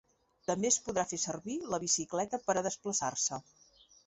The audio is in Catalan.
També es podrà fer servir la bicicleta per a desplaçar-se.